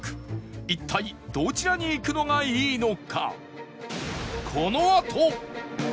一体どちらに行くのがいいのか？